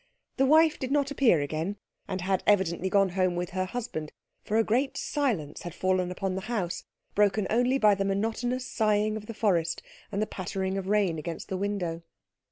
The wife did not appear again, and had evidently gone home with her husband, for a great silence had fallen upon the house, broken only by the monotonous sighing of the forest, and the pattering of rain against the window.